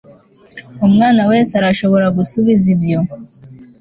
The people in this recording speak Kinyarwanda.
umwana wese arashobora gusubiza ibyo